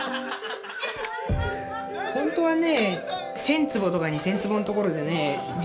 本当はね